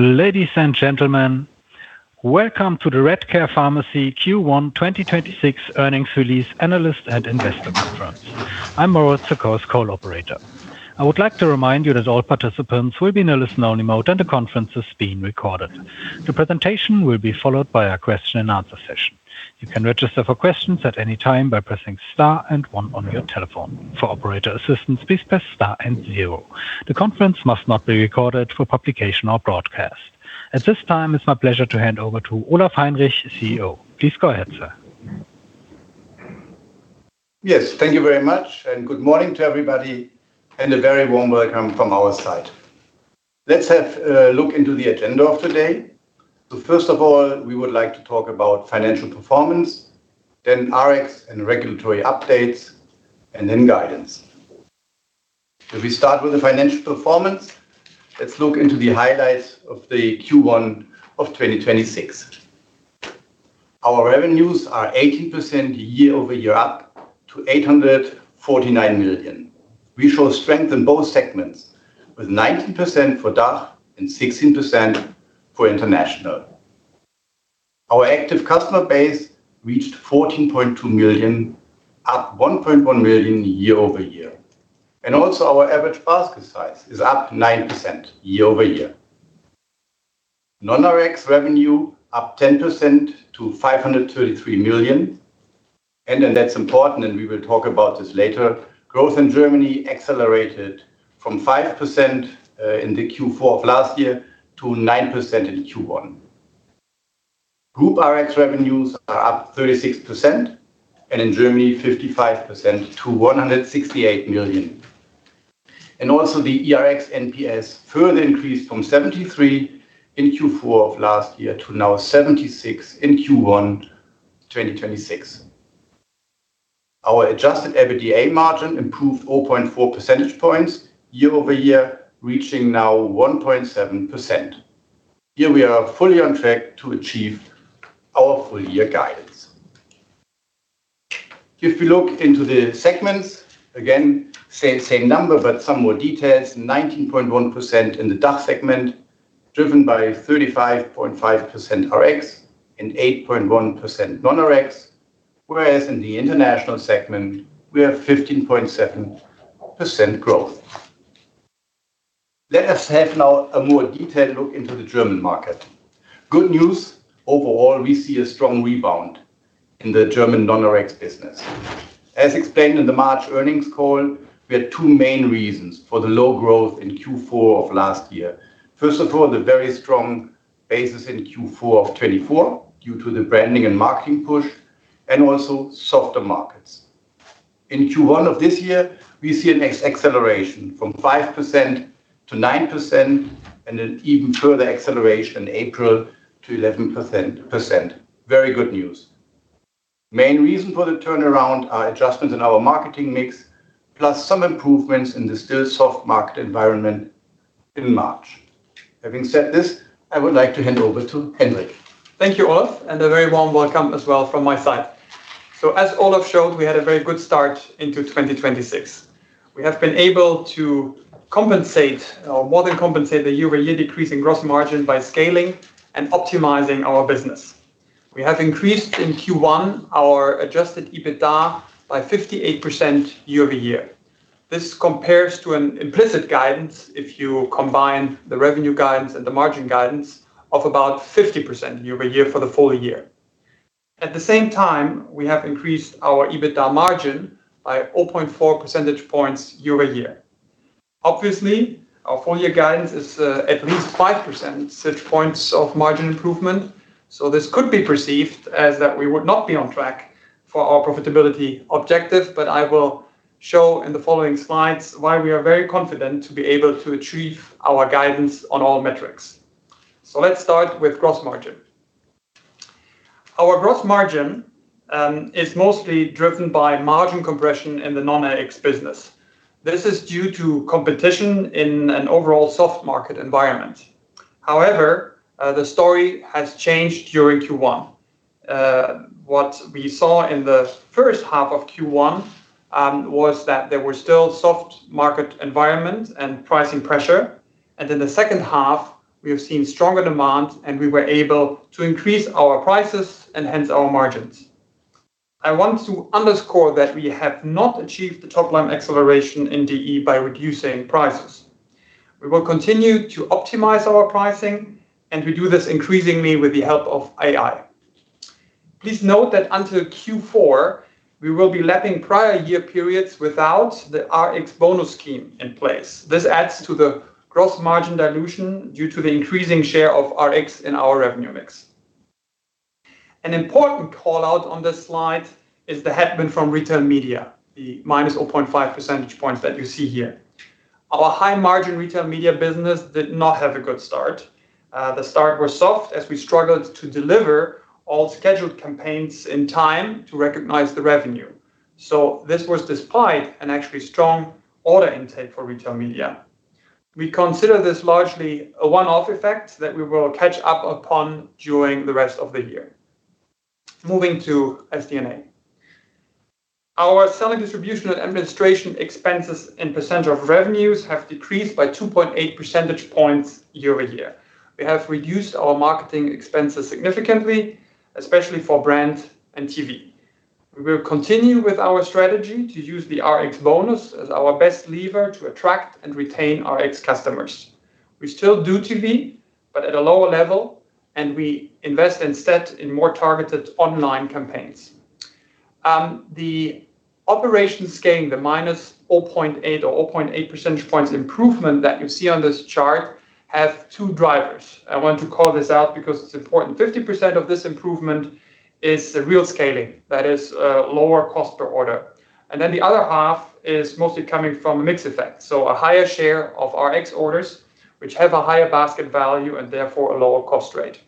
Ladies and gentlemen, welcome to the Redcare Pharmacy Q1 2026 earnings release analyst and investor conference. At this time, it's my pleasure to hand over to Olaf Heinrich, CEO. Please go ahead, sir. Yes, thank you very much and good morning to everybody and a very warm welcome from our side. Let's have a look into the agenda of today. First of all, we would like to talk about financial performance, then Rx and regulatory updates, and then guidance. If we start with the financial performance, let's look into the highlights of the Q1 of 2026. Our revenues are 18% year-over-year up to 849 million. We show strength in both segments with 19% for DACH and 16% for international. Our active customer base reached 14.2 million, up 1.1 million year-over-year. Also our average basket size is up 9% year-over-year. Non-Rx revenue up 10% to 533 million. That's important, and we will talk about this later. Growth in Germany accelerated from 5% in the Q4 of last year to 9% in Q1. Group Rx revenues are up 36%, in Germany 55% to 168 million. Also the eRx NPS further increased from 73 in Q4 of last year to now 76 in Q1 2026. Our adjusted EBITDA margin improved 0.4 percentage points year-over-year, reaching now 1.7%. Here we are fully on track to achieve our full year guidance. If you look into the segments, again, same number but some more details. 19.1% in the DACH segment, driven by 35.5% Rx and 8.1% non-Rx. Whereas in the international segment we have 15.7% growth. Let us have now a more detailed look into the German market. Good news. Overall, we see a strong rebound in the German non-Rx business. As explained in the March earnings call, we had two main reasons for the low growth in Q4 of last year. First of all, the very strong basis in Q4 of 2024 due to the branding and marketing push and also softer markets. In Q1 of this year, we see a net acceleration from 5% to 9% and an even further acceleration in April to 11%. Very good news. Main reason for the turnaround are adjustments in our marketing mix, plus some improvements in the still soft market environment in March. Having said this, I would like to hand over to Hendrik. Thank you Olaf, and a very warm welcome as well from my side. As Olaf showed, we had a very good start into 2026. We have been able to compensate or more than compensate the year-over-year decrease in gross margin by scaling and optimizing our business. We have increased in Q1 our adjusted EBITDA by 58% year-over-year. This compares to an implicit guidance if you combine the revenue guidance and the margin guidance of about 50% year-over-year for the full year. At the same time, we have increased our EBITDA margin by 0.4 percentage points year-over-year. Obviously, our full year guidance is at least 5% such points of margin improvement, so this could be perceived as that we would not be on track for our profitability objective. I will show in the following slides why we are very confident to be able to achieve our guidance on all metrics. Let's start with gross margin. Our gross margin is mostly driven by margin compression in the non-Rx business. This is due to competition in an overall soft market environment. However, the story has changed during Q1. What we saw in the first half of Q1 was that there were still soft market environment and pricing pressure, and in the second half we have seen stronger demand and we were able to increase our prices and hence our margins. I want to underscore that we have not achieved the top line acceleration in DE by reducing prices. We will continue to optimize our pricing, and we do this increasingly with the help of AI. Please note that until Q4 we will be lapping prior year periods without the Rx bonus scheme in place. This adds to the gross margin dilution due to the increasing share of Rx in our revenue mix. An important call-out on this slide is the headwind from retail media, the -0.5 percentage points that you see here. Our high margin retail media business did not have a good start. The start was soft as we struggled to deliver all scheduled campaigns in time to recognize the revenue. This was despite an actually strong order intake for retail media. We consider this largely a one-off effect that we will catch up upon during the rest of the year. Moving to SD&A. Our selling distribution and administration expenses and percent of revenues have decreased by 2.8 percentage points year-over-year. We have reduced our marketing expenses significantly, especially for brand and TV. We will continue with our strategy to use the Rx bonus as our best lever to attract and retain Rx customers. We still do TV, but at a lower level. We invest instead in more targeted online campaigns. The operation scaling, the minus 0.8 or 0.8 percentage points improvement that you see on this chart have two drivers. I want to call this out because it's important. 50% of this improvement is the real scaling, that is, lower cost per order. The other half is mostly coming from a mix effect, so a higher share of Rx orders, which have a higher basket value and therefore a lower cost rate.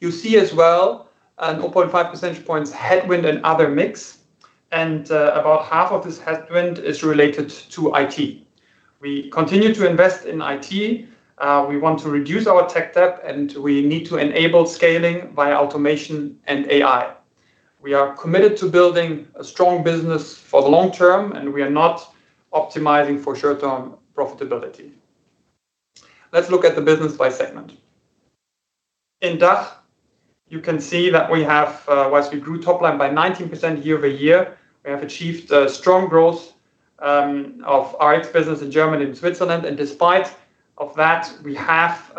You see as well an 0.5 percentage points headwind in other mix. About half of this headwind is related to IT. We continue to invest in IT. We want to reduce our tech debt, and we need to enable scaling by automation and AI. We are committed to building a strong business for the long term, and we are not optimizing for short-term profitability. Let's look at the business by segment. In DACH, you can see that we have, whilst we grew top line by 19% year-over-year, we have achieved strong growth of Rx business in Germany and Switzerland, and despite of that, we have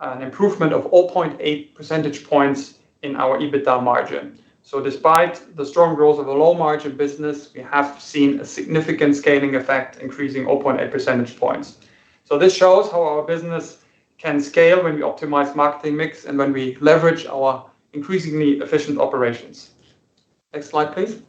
an improvement of 0.8 percentage points in our EBITDA margin. Despite the strong growth of a low margin business, we have seen a significant scaling effect increasing 0.8 percentage points. This shows how our business can scale when we optimize marketing mix and when we leverage our increasingly efficient operations. Next slide, please.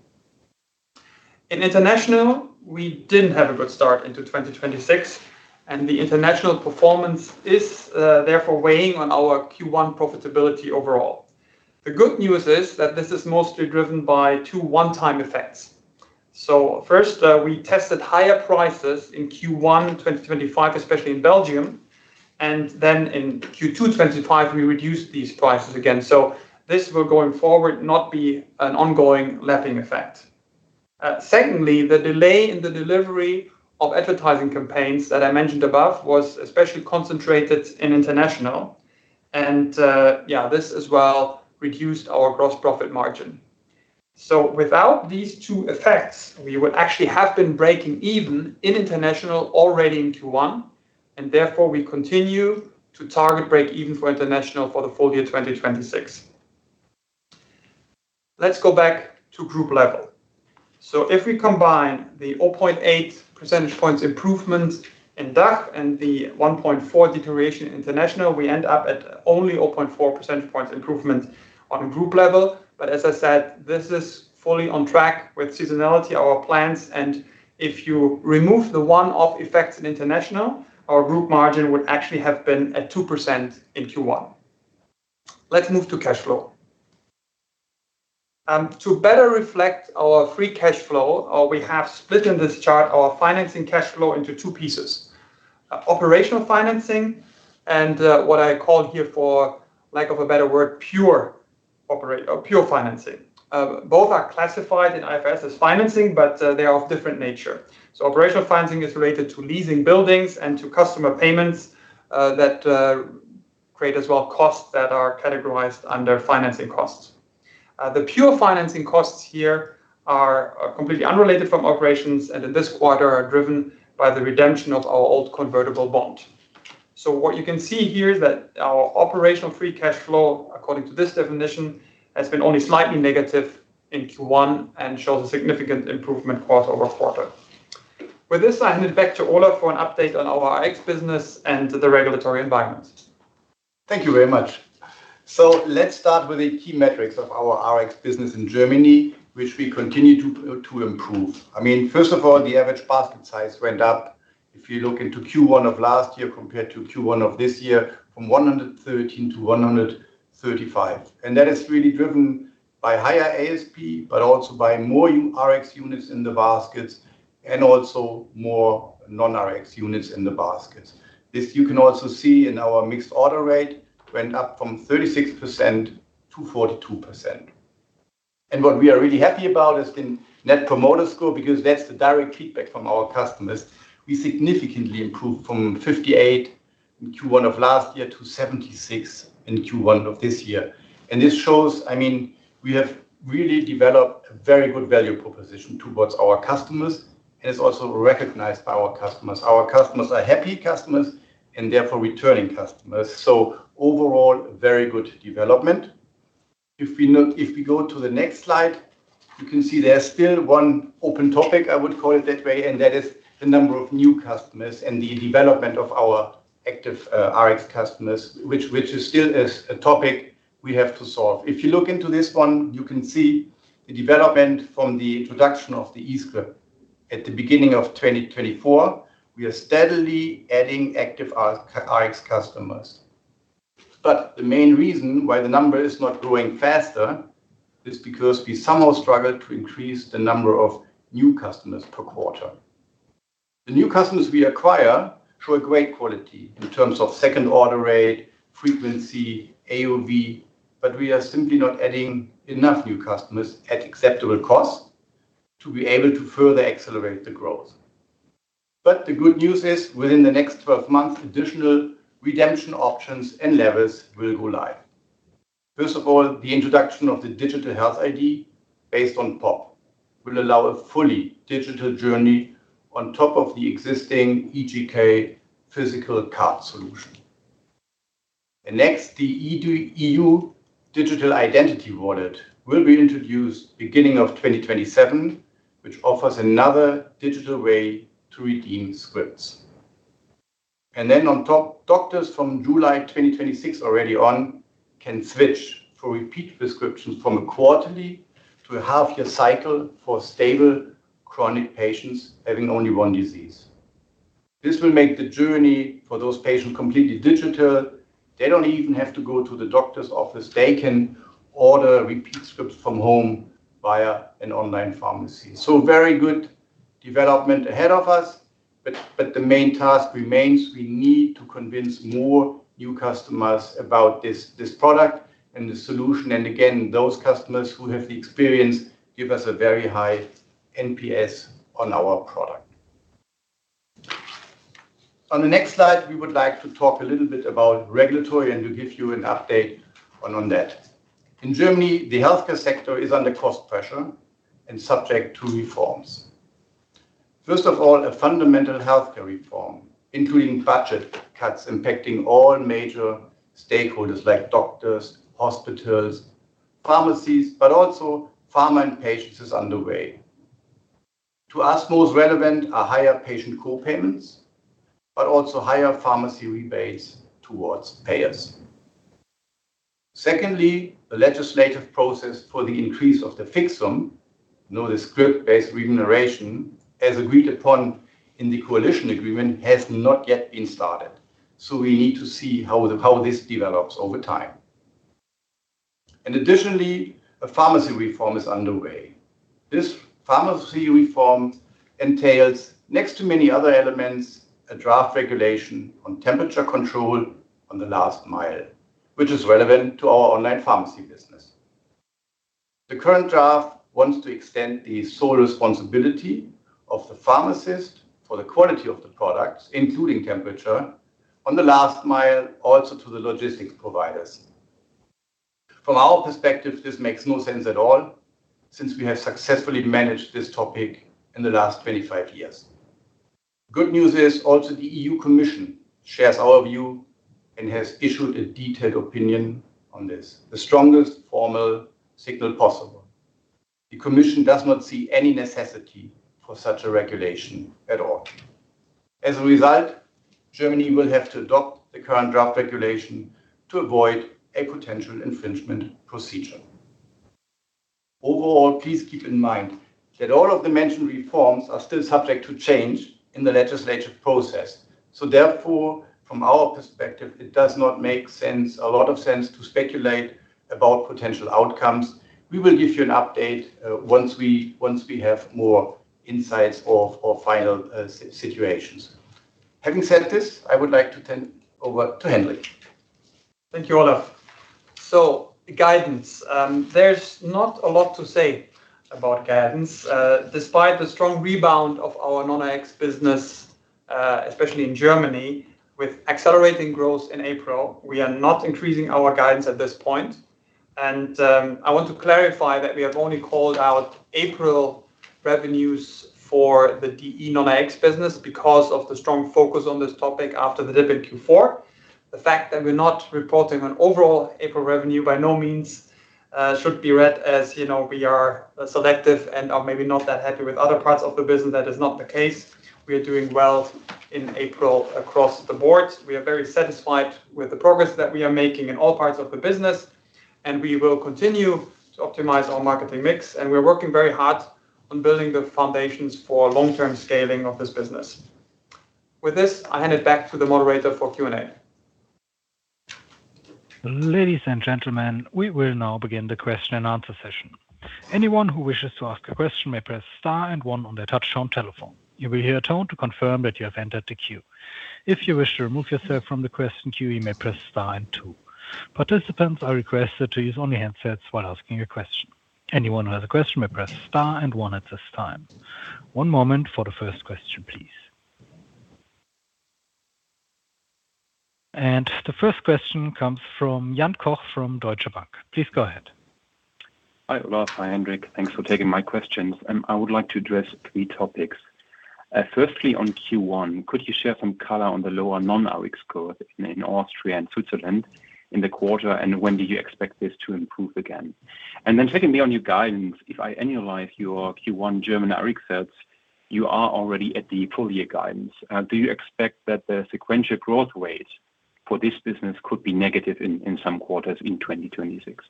In international, we didn't have a good start into 2026, and the international performance is therefore weighing on our Q1 profitability overall. The good news is that this is mostly driven by two one-time effects. First, we tested higher prices in Q1 2025, especially in Belgium, and then in Q2 2025, we reduced these prices again. This will, going forward, not be an ongoing lapping effect. Secondly, the delay in the delivery of advertising campaigns that I mentioned above was especially concentrated in international and this as well reduced our gross profit margin. Without these two effects, we would actually have been breaking even in international already in Q1, and therefore, we continue to target break even for international for the full year 2026. Let's go back to group level. If we combine the 0.8 percentage points improvement in DACH and the 1.4 deterioration in international, we end up at only 0.4 percentage points improvement on group level. As I said, this is fully on track with seasonality, our plans. If you remove the one-off effects in international, our group margin would actually have been at 2% in Q1. Let's move to cash flow. To better reflect our free cash flow, we have split in this chart our financing cash flow into two pieces, operational financing and, what I call here, for lack of a better word, pure financing. Both are classified in IFRS as financing, they are of different nature. Operational financing is related to leasing buildings and to customer payments that create as well costs that are categorized under financing costs. The pure financing costs here are completely unrelated from operations, and in this quarter are driven by the redemption of our old convertible bond. What you can see here is that our operational free cash flow, according to this definition, has been only slightly negative in Q1 and shows a significant improvement quarter-over-quarter. With this, I hand it back to Olaf for an update on our Rx business and the regulatory environment. Thank you very much. Let's start with the key metrics of our Rx business in Germany, which we continue to improve. I mean, first of all, the average basket size went up. If you look into Q1 of last year compared to Q1 of this year, from 113 to 135. That is really driven by higher ASP, but also by more Rx units in the baskets and also more non-Rx units in the baskets. This you can also see in our mixed order rate went up from 36% to 42%. What we are really happy about is the Net Promoter Score, because that's the direct feedback from our customers. We significantly improved from 58 in Q1 of last year to 76 in Q1 of this year. This shows, I mean, we have really developed a very good value proposition towards our customers and is also recognized by our customers. Our customers are happy customers and therefore returning customers. Overall, very good development. If we go to the next slide, you can see there's still one open topic, I would call it that way, and that is the number of new customers and the development of our active Rx customers, which is still a topic we have to solve. If you look into this one, you can see the development from the introduction of the e-script at the beginning of 2024. We are steadily adding active Rx customers. The main reason why the number is not growing faster is because we somehow struggle to increase the number of new customers per quarter. The new customers we acquire show a great quality in terms of second order rate, frequency, AOV, but we are simply not adding enough new customers at acceptable costs to be able to further accelerate the growth. The good news is, within the next 12 months, additional redemption options and levers will go live. First of all, the introduction of the digital Health ID based on PoPP will allow a fully digital journey on top of the existing eGK physical card solution. The next, the EU Digital Identity Wallet, will be introduced beginning of 2027, which offers another digital way to redeem scripts. Then on top, doctors from July 2026 already on can switch for repeat prescriptions from a quarterly to a half-year cycle for stable chronic patients having only one disease. This will make the journey for those patients completely digital. They don't even have to go to the doctor's office. They can order repeat scripts from home via an online pharmacy. Very good development ahead of us, but the main task remains we need to convince more new customers about this product and the solution. Again, those customers who have the experience give us a very high NPS on our product. On the next slide, we would like to talk a little bit about regulatory and to give you an update on that. In Germany, the healthcare sector is under cost pressure and subject to reforms. First of all, a fundamental healthcare reform, including budget cuts impacting all major stakeholders like doctors, hospitals, pharmacies, but also pharma and patients is underway. To us, most relevant are higher patient co-payments, but also higher pharmacy rebates towards payers. Secondly, the legislative process for the increase of the Fixum, you know, the script-based remuneration, as agreed upon in the coalition agreement, has not yet been started. We need to see how this develops over time. Additionally, a pharmacy reform is underway. This pharmacy reform entails, next to many other elements, a draft regulation on temperature control on the last mile, which is relevant to our online pharmacy business. The current draft wants to extend the sole responsibility of the pharmacist for the quality of the products, including temperature, on the last mile also to the logistics providers. From our perspective, this makes no sense at all since we have successfully managed this topic in the last 25 years. Good news is also the EU Commission shares our view and has issued a detailed opinion on this, the strongest formal signal possible. The Commission does not see any necessity for such a regulation at all. As a result, Germany will have to adapt the current draft regulation to avoid a potential infringement procedure. Overall, please keep in mind that all of the mentioned reforms are still subject to change in the legislative process. Therefore, from our perspective, it does not make sense, a lot of sense to speculate about potential outcomes. We will give you an update, once we have more insights or final situations. Having said this, I would like to turn over to Hendrik. Thank you, Olaf. The guidance, there's not a lot to say about guidance. Despite the strong rebound of our non-Rx business, especially in Germany, with accelerating growth in April, we are not increasing our guidance at this point. I want to clarify that we have only called out April revenues for the DE non-Rx business because of the strong focus on this topic after the dip in Q4. The fact that we're not reporting on overall April revenue by no means should be read as, you know, we are selective and are maybe not that happy with other parts of the business. That is not the case. We are doing well in April across the board. We are very satisfied with the progress that we are making in all parts of the business, and we will continue to optimize our marketing mix. We're working very hard on building the foundations for long-term scaling of this business. With this, I hand it back to the moderator for Q&A. Ladies and gentlemen, we will now begin the question and answer session. Anyone who wishes to ask a question may press star and one on their touchtone telephone. You will hear a tone to confirm that you have entered the queue. If you wish to remove yourself from the question queue, you may press star and two. Participants are requested to use only handsets while asking a question. Anyone who has a question may press star and one at this time. One moment for the first question, please. The first question comes from Jan Koch from Deutsche Bank. Please go ahead. Hi Olaf, hi Hendrik. Thanks for taking my questions. I would like to address three topics. Firstly, on Q1, could you share some color on the lower non-Rx growth in Austria and Switzerland in the quarter, and when do you expect this to improve again? Secondly, on your guidance, if I annualize your Q1 German Rx sales, you are already at the full year guidance. Do you expect that the sequential growth rates for this business could be negative in some quarters in 2026?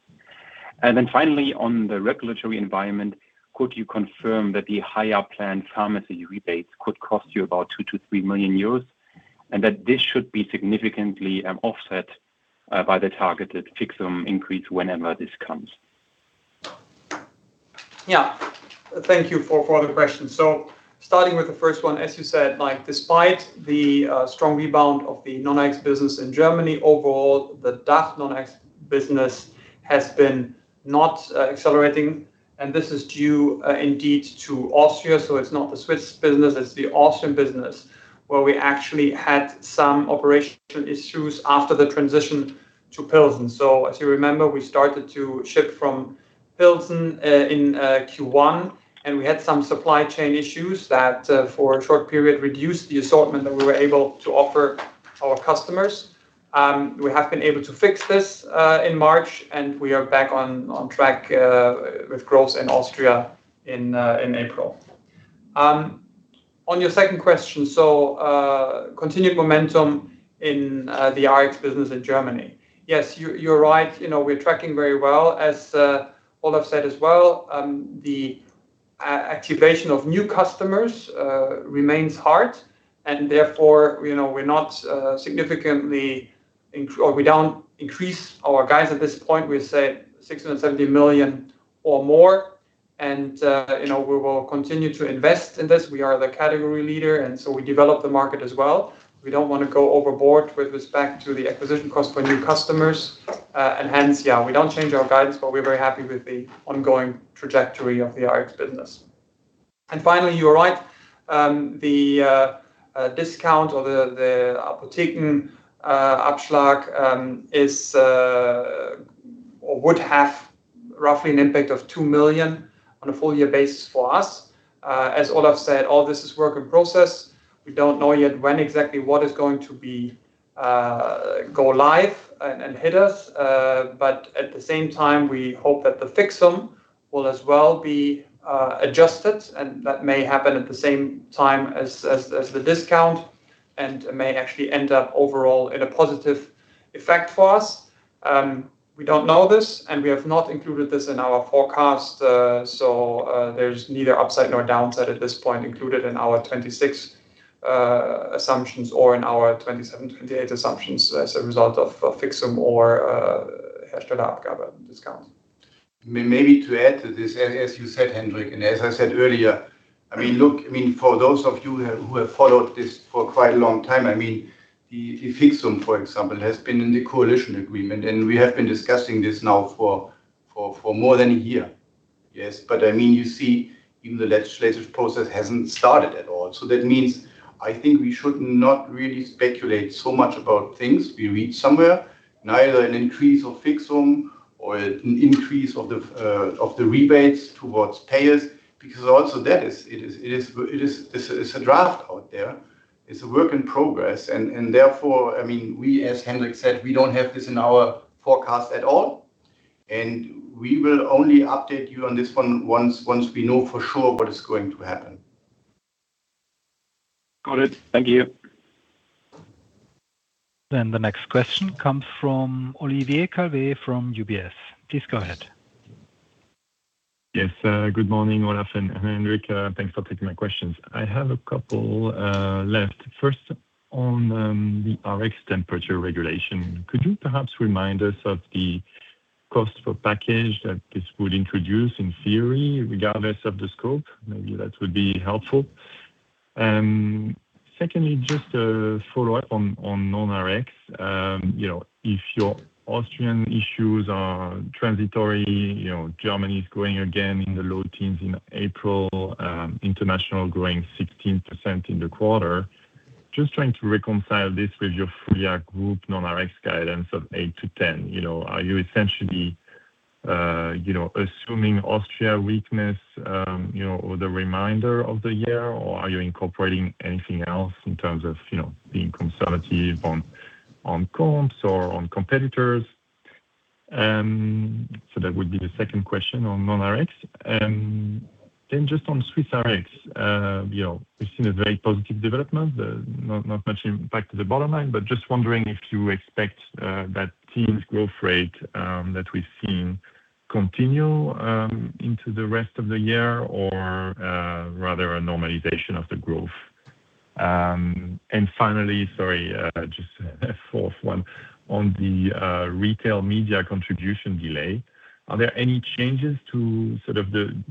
Finally, on the regulatory environment, could you confirm that the higher planned pharmacy rebates could cost you about 2 million-3 million euros, and that this should be significantly offset by the targeted Fixum increase whenever this comes? Yeah. Thank you for the question. Starting with the first one, as you said, like, despite the strong rebound of the non-Rx business in Germany, overall, the DACH non-Rx business has been not accelerating, and this is due indeed to Austria. It's not the Swiss business, it's the Austrian business, where we actually had some operational issues after the transition to Pilsen. As you remember, we started to ship from Pilsen in Q1, and we had some supply chain issues that for a short period reduced the assortment that we were able to offer our customers. We have been able to fix this in March, and we are back on track with growth in Austria in April. On your second question, continued momentum in the Rx business in Germany. Yes. You're right. You know, we're tracking very well. As Olaf said as well, the activation of new customers remains hard, therefore, you know, we're not significantly or we don't increase our guides at this point. We say 670 million or more. You know, we will continue to invest in this. We are the category leader, we develop the market as well. We don't wanna go overboard with respect to the acquisition cost for new customers. Hence, yeah, we don't change our guidance, but we're very happy with the ongoing trajectory of the Rx business. Finally, you are right, the discount or the Apothekenabschlag is or would have roughly an impact of 2 million on a full-year basis for us. As Olaf said, all this is work in process. We don't know yet when exactly what is going to be go live and hit us. At the same time, we hope that the Fixum will as well be adjusted, and that may happen at the same time as the discount, and may actually end up overall in a positive effect for us. We don't know this, and we have not included this in our forecast. There's neither upside nor downside at this point included in our 2026 assumptions or in our 2027, 2028 assumptions as a result of Fixum or Herstellerabgabe discount. Maybe to add to this, as you said, Hendrik, and as I said earlier, I mean, look, I mean, for those of you who have followed this for quite a long time, I mean, the Fixum, for example, has been in the coalition agreement, and we have been discussing this now for more than a year. Yes. I mean, you see even the legislative process hasn't started at all. That means, I think we should not really speculate so much about things we read somewhere, neither an increase of Fixum or an increase of the rebates towards payers, because also that is, it is, this is a draft out there. It's a work in progress. Therefore, I mean, we, as Hendrik said, we don't have this in our forecast at all, and we will only update you on this one once we know for sure what is going to happen. Got it. Thank you. The next question comes from Olivier Calvet from UBS. Please go ahead. Yes. Good morning, Olaf and Hendrik. Thanks for taking my questions. I have a couple left. First, on the Rx temperature regulation, could you perhaps remind us of the cost per package that this would introduce in theory, regardless of the scope? Maybe that would be helpful. Secondly, just a follow-up on non-Rx. You know, if your Austrian issues are transitory, you know, Germany is growing again in the low teens in April, international growing 16% in the quarter. Just trying to reconcile this with your full-year group non-Rx guidance of 8%-10%. You know, are you essentially, you know, assuming Austria weakness, you know, over the remainder of the year, or are you incorporating anything else in terms of, you know, being conservative on comps or on competitors? That would be the second question on non-Rx. Just on Swiss Rx, you know, we've seen a very positive development. Not much impact to the bottom line, but just wondering if you expect that team's growth rate that we've seen continue into the rest of the year or rather a normalization of the growth. Finally, sorry, just a fourth one on the retail media contribution delay. Are there any changes to sort of the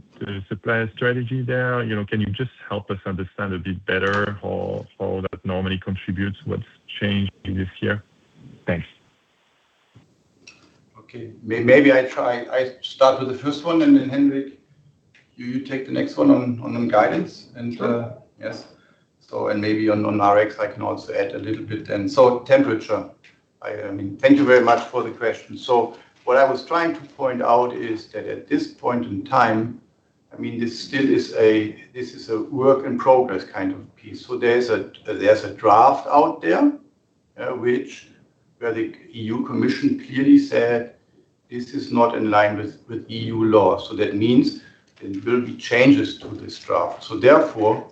supplier strategy there? You know, can you just help us understand a bit better how that normally contributes? What's changed in this year? Thanks. Okay. Maybe I start with the first one, and then Hendrik, you take the next one on the guidance. Sure. Yes. Maybe on non-Rx, I can also add a little bit then. Temperature. I mean, thank you very much for the question. What I was trying to point out is that at this point in time, I mean, this still is a work in progress kind of piece. There's a draft out there, where the European Commission clearly said this is not in line with EU law. That means there will be changes to this draft. Therefore,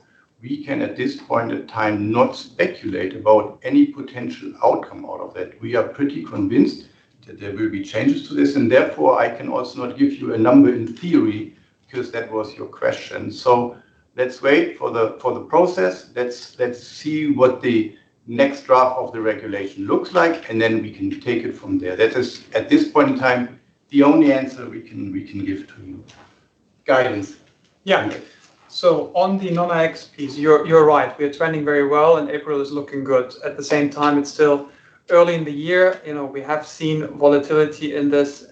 we can, at this point in time, not speculate about any potential outcome out of that. We are pretty convinced that there will be changes to this, and therefore, I can also not give you a number in theory, because that was your question. Let's wait for the process. Let's see what the next draft of the regulation looks like. We can take it from there. That is, at this point in time, the only answer we can give to you. Guidance. On the non-Rx piece, you're right. We are trending very well, and April is looking good. At the same time, it's still early in the year. You know, we have seen volatility in this.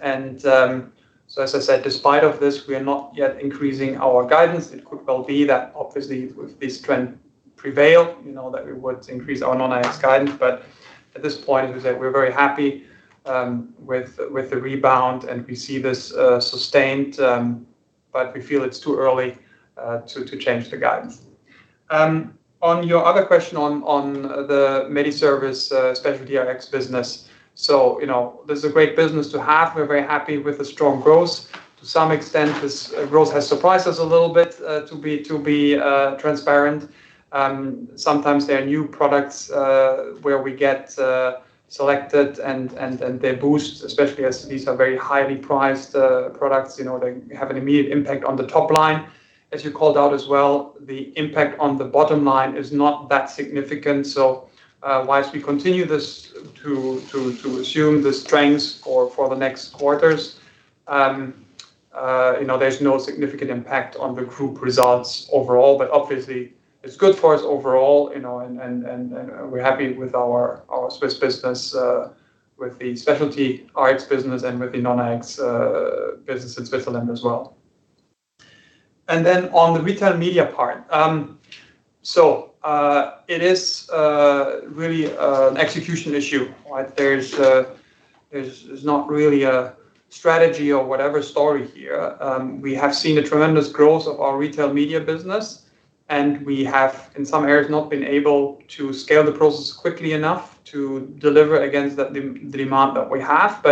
As I said, despite of this, we are not yet increasing our guidance. It could well be that obviously should this trend prevail, you know, that we would increase our non-Rx guidance. At this point, as we said, we're very happy with the rebound, and we see this sustained. We feel it's too early to change the guidance. On your other question on the MediService specialty Rx business. You know, this is a great business to have. We're very happy with the strong growth. To some extent, this growth has surprised us a little bit, to be transparent. Sometimes there are new products where we get selected and they boost, especially as these are very highly prized products. You know, they have an immediate impact on the top line. As you called out as well, the impact on the bottom line is not that significant. Whilst we continue this to assume the strengths for the next quarters, you know, there's no significant impact on the group results overall, but obviously it's good for us overall, you know, and we're happy with our Swiss business, with the specialty Rx business and with the non-Rx business in Switzerland as well. On the retail media part. It is really an execution issue, right? There's not really a strategy or whatever story here. We have seen a tremendous growth of our retail media business, and we have in some areas not been able to scale the process quickly enough to deliver against the demand that we have.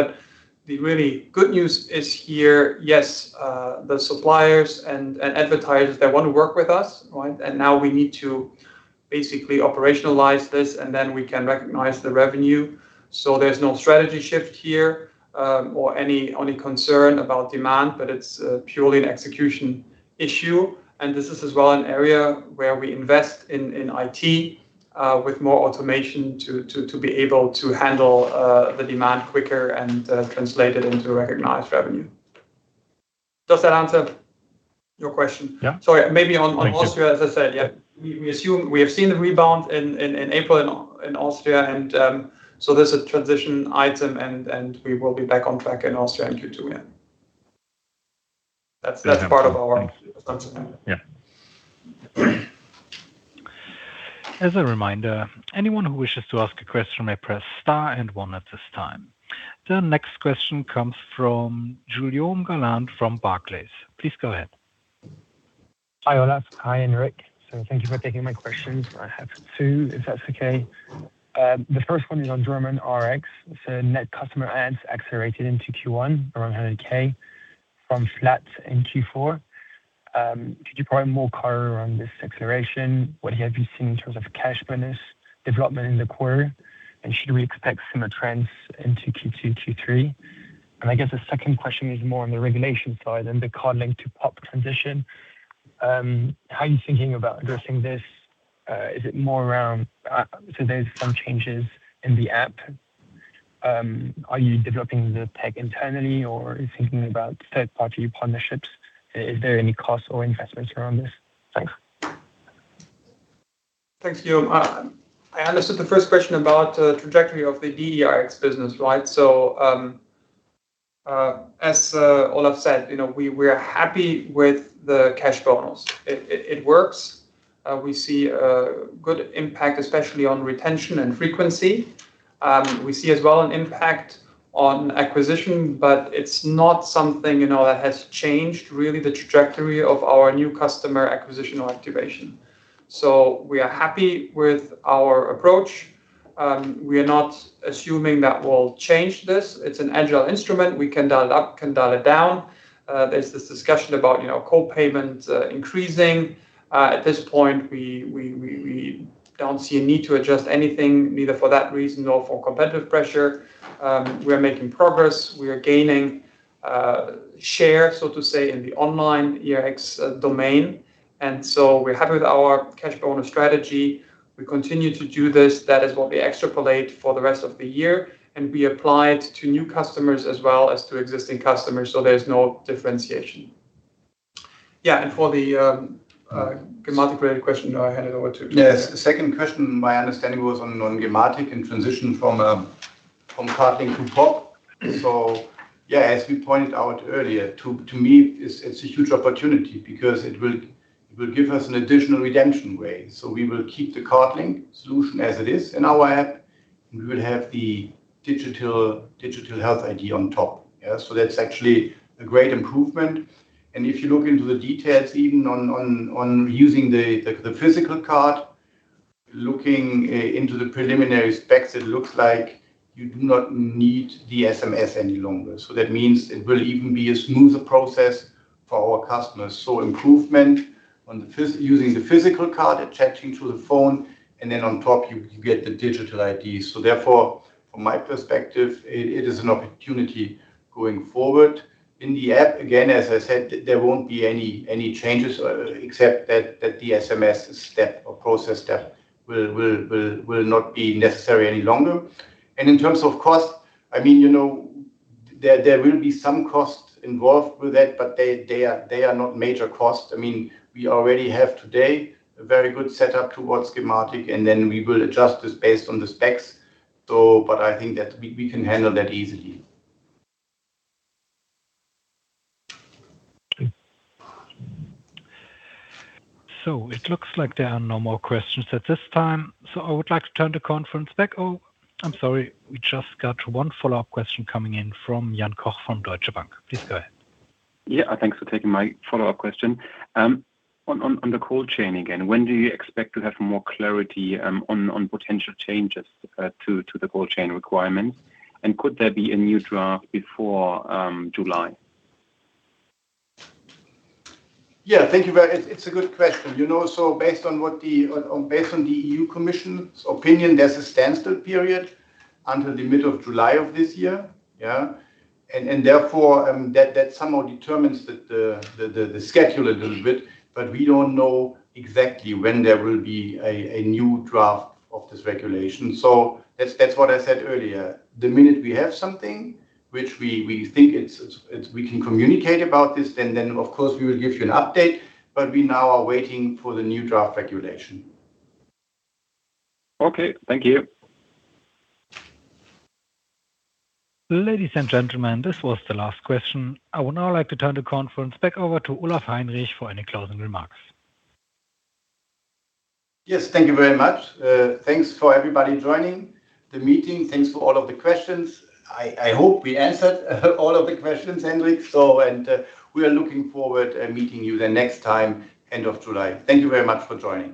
The really good news is here, yes, the suppliers and advertisers, they want to work with us, right? Now we need to basically operationalize this, and then we can recognize the revenue. There's no strategy shift here, or any concern about demand, but it's purely an execution issue. This is as well an area where we invest in IT, with more automation to be able to handle the demand quicker and translate it into recognized revenue. Does that answer your question? Yeah. Sorry, maybe on- Thank you. Austria, as I said, yeah, we assume we have seen the rebound in April in Austria and there's a transition item and we will be back on track in Austria in Q2. Yeah. That's part of our- Thanks. Does that answer? Yeah. As a reminder, anyone who wishes to ask a question may press star and one at this time. The next question comes from Guillaume Galland from Barclays. Please go ahead. Hi, Olaf. Hi, Hendrik. Thank you for taking my questions. I have two, if that's okay. The first one is on German Rx. Net customer adds accelerated into Q1, around 100K from flat in Q4. Could you provide more color around this acceleration? What have you seen in terms of cash bonus development in the quarter? Should we expect similar trends into Q2, Q3? I guess the second question is more on the regulation side and the CardLink to POP transition. How are you thinking about addressing this? Is it more around there's some changes in the app. Are you developing the tech internally or are you thinking about third party partnerships? Is there any costs or investments around this? Thanks. Thanks, Guillaume. I understood the first question about trajectory of the DE Rx business, right? As Olaf said, you know, we're happy with the cash bonus. It works. We see a good impact, especially on retention and frequency. We see as well an impact on acquisition, it's not something, you know, that has changed really the trajectory of our new customer acquisition or activation. We are happy with our approach. We are not assuming that we'll change this. It's an agile instrument. We can dial it up, can dial it down. There's this discussion about, you know, co-payment increasing. At this point, we don't see a need to adjust anything neither for that reason nor for competitive pressure. We are making progress. We are gaining share, so to say, in the online Rx domain. We're happy with our cash bonus strategy. We continue to do this. That is what we extrapolate for the rest of the year, and we apply it to new customers as well as to existing customers. There's no differentiation. Yeah, and for the gematik related question, I hand it over to you. Yes. The second question, my understanding was on gematik and transition from CardLink to POP. Yeah, as we pointed out earlier, to me, it's a huge opportunity because it will give us an additional redemption way. We will keep the CardLink solution as it is in our app, and we will have the digital Health ID on top. Yeah. That's actually a great improvement. If you look into the details, even on using the physical card, looking into the preliminary specs, it looks like you do not need the SMS any longer. That means it will even be a smoother process for our customers. Improvement. Using the physical card attaching to the phone, and then on top you get the digital Health ID. Therefore, from my perspective, it is an opportunity going forward. In the app, again, as I said, there won't be any changes, except that the SMS step or process step will not be necessary any longer. In terms of cost, I mean, you know, there will be some cost involved with that, but they are not major costs. I mean, we already have today a very good setup towards gematik, and then we will adjust this based on the specs. But I think that we can handle that easily. It looks like there are no more questions at this time. I would like to turn the conference back. Oh, I'm sorry. We just got one follow-up question coming in from Jan Koch from Deutsche Bank. Please go ahead. Yeah. Thanks for taking my follow-up question. On the cold chain, again, when do you expect to have more clarity on potential changes to the cold chain requirements? Could there be a new draft before July? Yeah. Thank you. It's a good question. You know, based on the European Commission's opinion, there's a standstill period until the middle of July of this year. Yeah. Therefore, that somehow determines the schedule a little bit, but we don't know exactly when there will be a new draft of this regulation. That's what I said earlier. The minute we have something which we think we can communicate about this, then of course, we will give you an update, but we now are waiting for the new draft regulation. Okay. Thank you. Ladies and gentlemen, this was the last question. I would now like to turn the conference back over to Olaf Heinrich for any closing remarks. Yes. Thank you very much. Thanks for everybody joining the meeting. Thanks for all of the questions. I hope we answered all of the questions, Hendrik. We are looking forward meeting you the next time, end of July. Thank you very much for joining.